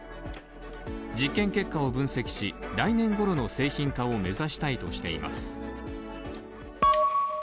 実験結果を分析し、来年頃の製品化を目指したいとしています。